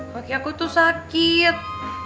waktu aku tuh sakit